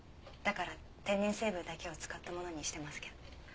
だから天然成分だけを使ったものにしてますけど。